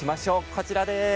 こちらです。